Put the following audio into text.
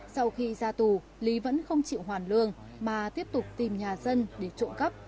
sau khi ra tù lý vẫn không chịu hoàn lương mà tiếp tục tìm nhà dân để trộm cắp